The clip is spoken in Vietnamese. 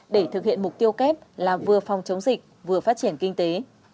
để thực hiện mục tiêu kép là vừa phòng chống dịch vừa phát triển kinh tế